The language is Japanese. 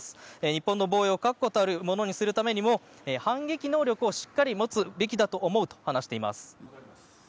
日本の防衛を確固たるものにするためにも反撃能力をしっかり持つべきだと思うと話しています。